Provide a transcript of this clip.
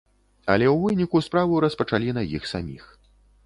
Але ў выніку справу распачалі на іх саміх.